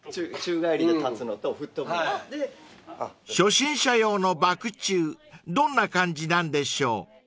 ［初心者用のバク宙どんな感じなんでしょう？］